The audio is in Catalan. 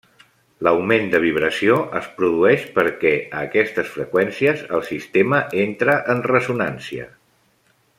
L'augment de vibració es produeix perquè a aquestes freqüències el sistema entra en ressonància.